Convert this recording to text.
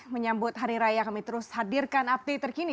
menyambut hari raya kami terus hadirkan update terkini